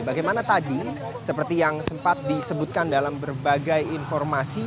bagaimana tadi seperti yang sempat disebutkan dalam berbagai informasi